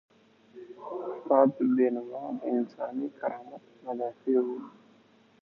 استاد بینوا د انساني کرامت مدافع و.